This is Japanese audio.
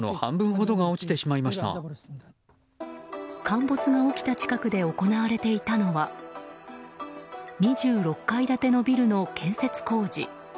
陥没が起きた近くで行われていたのは２６階建てのビルの建設工事。